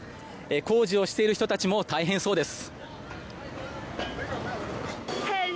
工事をしている人たちも大変そうです。